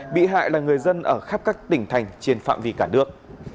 bị hại là người dân ở khắp các tỉnh thành trên phạm vi cả nước